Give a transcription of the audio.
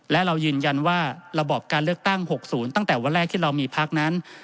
และเรายืนยันว่าระบอบการเลือกตั้ง๖๐ตั้งแต่วันแรกที่เรามีพักนั้น